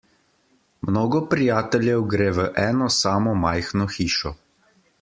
Mnogo prijateljev gre v eno samo majhno hišo.